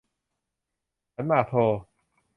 ขันหมากโท